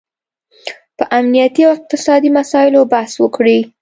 په امنیتي او اقتصادي مساییلو بحث وکړي